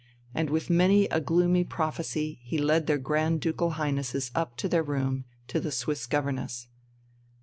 And with many a gloomy prophecy he led their Grand Ducal Highnesses up to their room to the Swiss governess.